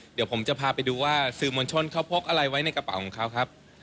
เดี๋ยวผมจะพาไปดูว่าสื่อมวลชนเขาพกอะไรไว้ในกระเป๋าของเขาครับ